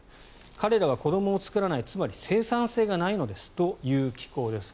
彼らは子どもを作らないつまり生産性がないのですという寄稿です。